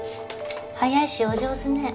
早いしお上手ね。